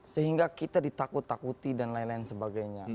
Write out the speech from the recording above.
sehingga kita ditakut takuti dan lain lain sebagainya